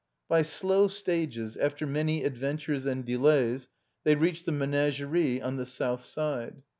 By slow stages, after many adventures and delays, they reached the managerie on the south side.